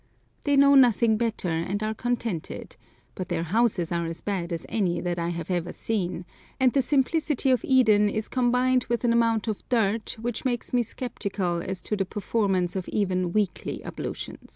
They know nothing better, and are contented; but their houses are as bad as any that I have ever seen, and the simplicity of Eden is combined with an amount of dirt which makes me sceptical as to the performance of even weekly ablutions.